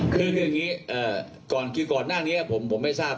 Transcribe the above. คืออย่างนี้ก่อนคือก่อนหน้านี้ผมไม่ทราบ